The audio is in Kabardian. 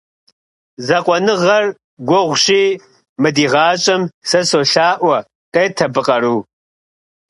Закъуэныгъэр гугъущи мы ди гъащӏэм, сэ солъаӏуэ — къет абы къару.